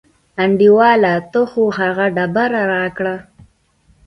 انډیواله ته خو هغه ډبره راکړه.